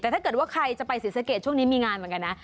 แต่ถ้าเกิดว่าใครจะไปศรีสะเกดช่วงนี้มีงานเหมือนกันนะ